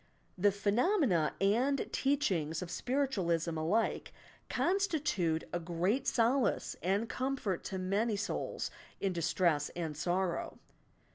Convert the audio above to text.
The phenomena and teachings of Spiritualism alike constitute a great solace and comfort to many souls in' distress and sorrow.